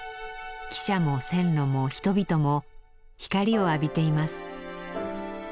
汽車も線路も人々も光を浴びています。